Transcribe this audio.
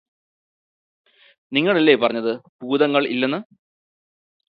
നിങ്ങളല്ലേ പറഞ്ഞത് ഭൂതങ്ങള് ഇല്ലെന്ന്